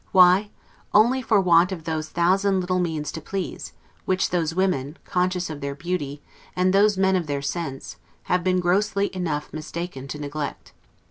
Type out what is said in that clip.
Why? only for want of those thousand little means to please, which those women, conscious of their beauty, and those men of their sense, have been grossly enough mistaken to neglect.